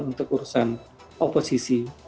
untuk urusan oposisi